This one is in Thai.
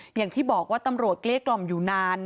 อย่างที่บอกว่าตำรวจเกลี้ยกล่อมอยู่นาน